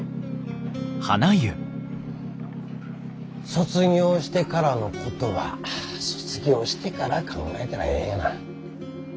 卒業してからのことは卒業してから考えたらええがな。